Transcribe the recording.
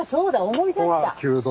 思い出した？